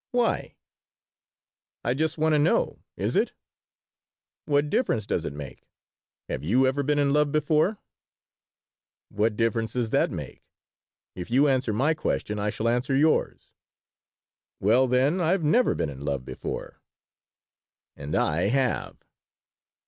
"Why?" "I just want to know. Is it?" "What difference does it make? Have you ever been in love before?" "What difference does that make? If you answer my question I shall answer yours." "Well, then, I have never been in love before." "And I have."